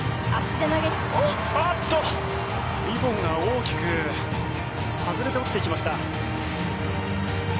リボンが大きく外れて落ちていきました。